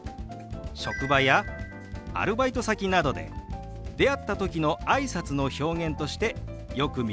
職場やアルバイト先などで出会った時のあいさつの表現としてよく見られるフレーズなんですよ。